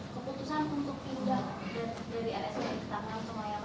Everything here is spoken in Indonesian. dari kondisi yang